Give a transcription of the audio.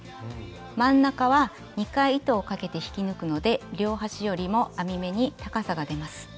真ん中は２回糸をかけて引き抜くので両端よりも編み目に高さが出ます。